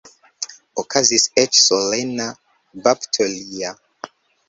Okazis eĉ solena bapto lia.